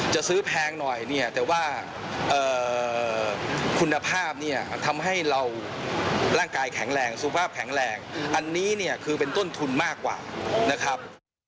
จะซื้อแพงหน่อยเนี่ยแต่ว่าคุณภาพเนี่ยทำให้เราร่างกายแข็งแรงสุขภาพแข็งแรงอันนี้เนี่ยคือเป็นต้นทุนมากกว่านะครับ